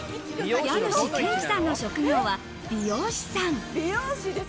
家主・賢毅さんの職業は美容師さん。